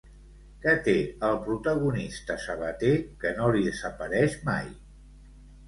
Què té el protagonista sabater que no li desapareix mai?